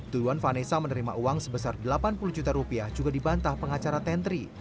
tuduhan vanessa menerima uang sebesar delapan puluh juta rupiah juga dibantah pengacara tentri